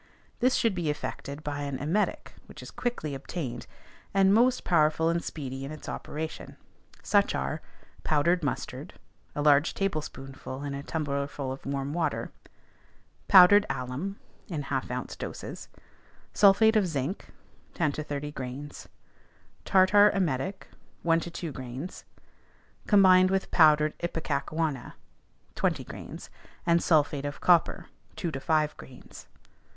This should be effected by an emetic which is quickly obtained, and most powerful and speedy in its operation. Such are, powdered mustard (a large tablespoonful in a tumblerful of warm water), powdered alum (in half ounce doses), sulphate of zinc (ten to thirty grains), tartar emetic (one to two grains) combined with powdered ipecacuanha (twenty grains), and sulphate of copper (two to five grains).